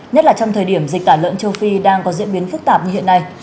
nhất là trong thời điểm dịch tả lợn châu phi đang có diễn biến phức tạp như hiện nay